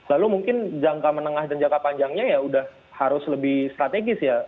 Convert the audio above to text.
lalu mungkin jangka menengah dan jangka panjangnya ya sudah harus lebih strategis ya